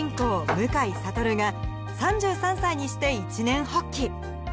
向井悟が３３歳にして一念発起